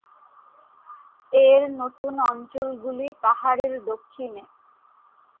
এর নতুন অঞ্চলগুলি পাহাড়ের দক্ষিণে।